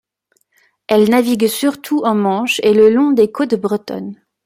Elle navigue surtout en Manche et le long des côtes bretonnes.